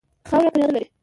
خاوره کرهڼه لري.